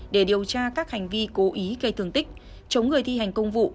để điều tra các hành vi cố ý gây thương tích chống người thi hành công vụ